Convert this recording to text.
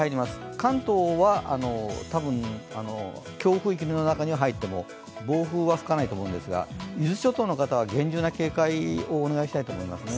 関東は多分、強風域の中には入っても暴風は吹かないとは思うんですが伊豆諸島の方々は厳重な警戒をお願いしたいと思います。